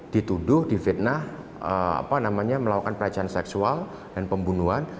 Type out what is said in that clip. dituduh difitnah melakukan pelecehan seksual dan pembunuhan